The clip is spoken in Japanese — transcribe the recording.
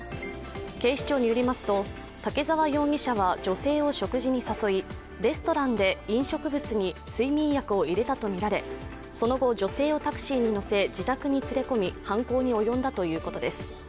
警視庁によりますと、竹沢容疑者は女性を食事に誘い、レストランで飲食物に睡眠薬を入れたとみられ、その後、女性をタクシーに乗せ、自宅に連れ込み犯行に及んだということです。